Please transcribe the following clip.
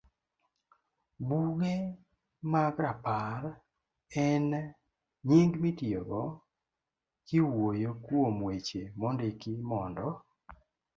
Buge mag Rapar en nying mitiyogo kiwuoyo kuom weche mondiki mondo